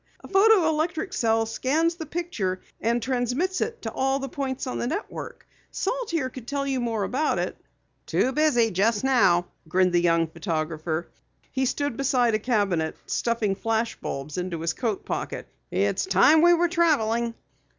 "A photo electric cell scans the picture and transmits it to all the points on the network. Salt here could tell you more about it." "Too busy just now," grinned the young photographer. He stood beside a cabinet stuffing flashbulbs into his coat pocket. "It's time we're traveling."